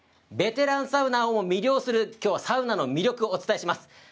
ベテランサウナーを魅了するきょうはサウナの魅力をお伝えします。